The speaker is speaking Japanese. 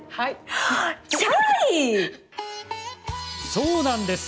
そうなんです。